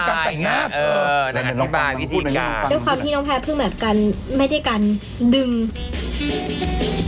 ด้วยความที่น้องแพ้พึ่งแบบกันไม่ได้การดึง